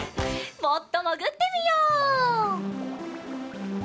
もっともぐってみよう。